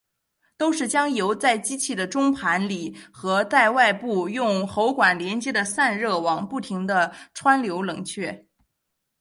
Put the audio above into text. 都是将油在机器的中盘里和在外部用喉管连接的散热网不停地穿流冷却。